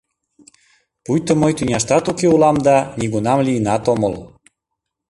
Пуйто мый тӱняштат уке улам да нигунам лийынат омыл.